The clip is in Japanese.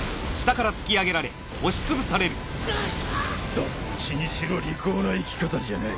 どっちにしろ利口な生き方じゃない。